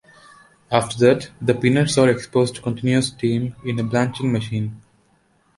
After that, the peanuts are exposed to continuous steam in a blanching machine.